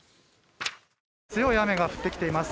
強い雨が降ってきています。